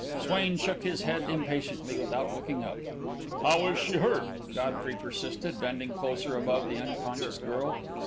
Swain shook his head impatiently, without looking up. "How is she hurt?" Godfrey persisted, bending closer above the unconscious girl.